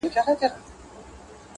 زما لمن دې چرې په دروغو توره نه شي